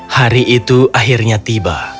hari itu akhirnya tiba